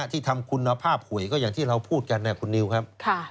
ที่ทำคุณภาพหวยก็อย่างที่เราพูดกันนะคุณนิวครับ